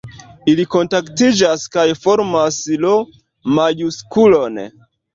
Ili kontaktiĝas kaj formas L-majusklon.